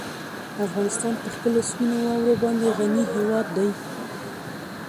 افغانستان په خپلو سپینو واورو باندې غني هېواد دی.